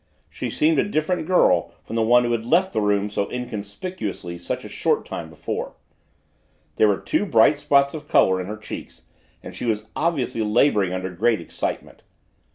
She seemed a different girl from the one who had left the room so inconspicuously such a short time before. There were two bright spots of color in her cheeks and she was obviously laboring under great excitement.